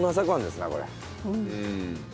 うん。